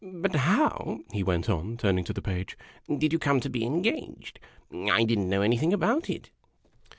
But how," he went on, turning to the Page, " did you come to be engaged ? I did n't know anything about it